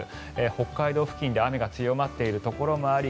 北海道付近で雨が強まっているところもあり